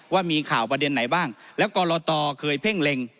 ว่ามีข่าวประเด็นไหนบ้างแล้วกรตเคยเพ่งเล็ง